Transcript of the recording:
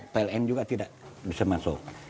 pln juga tidak bisa masuk